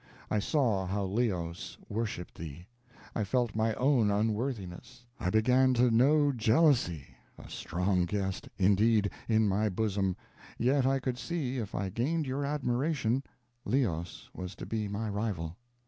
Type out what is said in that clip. I saw how Leos worshiped thee. I felt my own unworthiness. I began to know jealously, a strong guest indeed, in my bosom, yet I could see if I gained your admiration Leos was to be my rival.